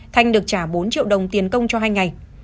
thanh được trả bốn triệu đồng tiền công cho hai ngày